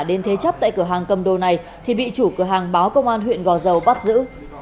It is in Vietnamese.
đến thế chấp tại cửa hàng cầm đồ này thì bị chủ cửa hàng báo công an huyện gò dầu bắt giữ